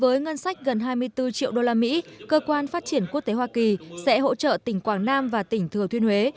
với ngân sách gần hai mươi bốn triệu usd cơ quan phát triển quốc tế hoa kỳ sẽ hỗ trợ tỉnh quảng nam và tỉnh thừa thiên huế